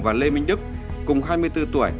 và lê minh đức cùng hai mươi bốn tuổi